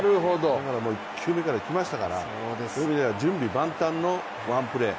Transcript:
だから、１球目からいきましたから、そういう意味では準備万端のワンプレー。